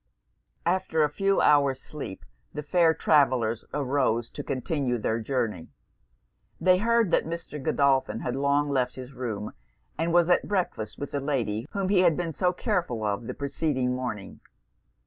After a few hours sleep, the fair travellers arose to continue their journey. They heard that Mr. Godolphin had long left his room, and was at breakfast with the lady whom he had been so careful of the preceding morning.